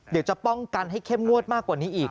เดี๋ยวจะป้องกันให้เข้มงวดมากกว่านี้อีก